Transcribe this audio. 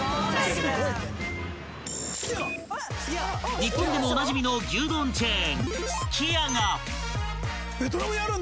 ［日本でもおなじみの牛丼チェーンすき家が］